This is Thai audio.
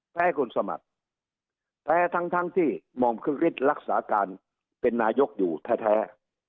คนสมัครแพ้ทั้งที่หม่อมคึกฤทธิ์รักษาการเป็นนายกอยู่แท้